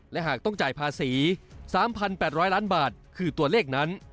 และหากต้องจ่ายภาษี๓๘๐๐ล้านบาทคือตัวเลขนั้น